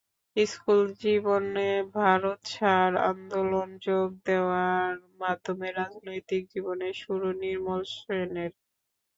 স্কুলজীবনে ভারত ছাড় আন্দোলনে যোগ দেওয়ার মাধ্যমে রাজনৈতিক জীবনের শুরু নির্মল সেনের।